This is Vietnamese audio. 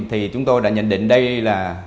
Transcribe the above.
thì chúng tôi đã nhận định đây là